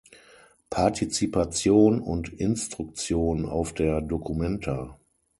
Partizipation und Instruktion auf der documenta.